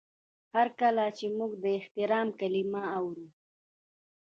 هر کله چې موږ د احترام کلمه اورو.